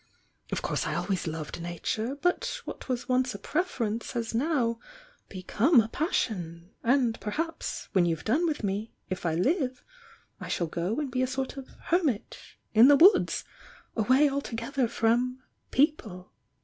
Of course I always loved Nature, — but what was once a preference has now become a pas sion — ^and perhaps, when you've done with me, if I live, I shall go and be a sort of hermit in the woods, away altogetiier from 'people.'